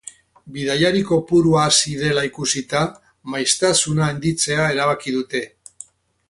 Bidaiari kopurua hazi dela ikusita maiztasuna handitzea erabaki dute.